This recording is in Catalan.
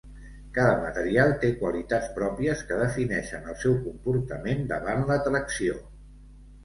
Cada material té qualitats pròpies que defineixen el seu comportament davant la tracció.